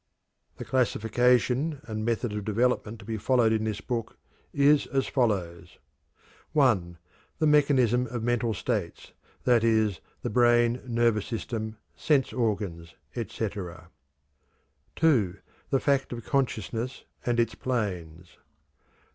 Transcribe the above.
The classification and method of development to be followed in this book is as follows: I. The mechanism of mental states, i.e., the brain, nervous system, sense organs, etc. II. The fact of Consciousness and its planes.